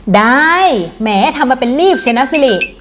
ได้แหมทำมาเป็นลีบใช่นะสิริ